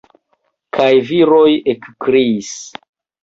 Kaj viroj ekkriis.